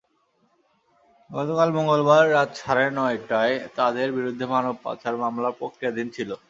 গতকাল মঙ্গলবার রাত সাড়ে নয়টায় তাঁদের বিরুদ্ধে মানব পাচার মামলা প্রক্রিয়াধীন ছিল।